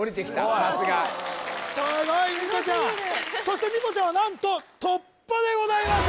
さすがすごい虹来ちゃんそして虹来ちゃんは何と突破でございます